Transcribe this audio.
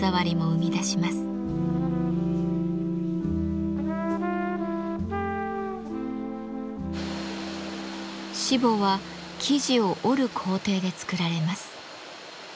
しぼは生地を織る工程で作られます。